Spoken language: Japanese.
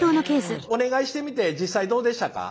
お願いしてみて実際どうでしたか？